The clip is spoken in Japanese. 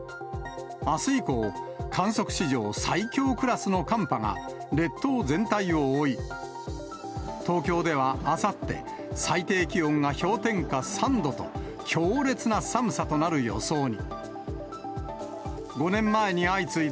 あす以降、観測史上最強クラスの寒波が列島全体を覆い、東京ではあさって、最低気温が氷点下３度と、強烈な寒さとなる予想に。